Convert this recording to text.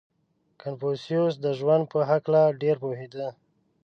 • کنفوسیوس د ژوند په هکله ډېر پوهېده.